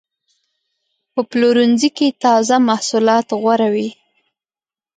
په پلورنځي کې تازه محصولات غوره وي.